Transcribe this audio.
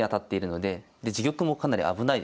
で自玉もかなり危ないですよね。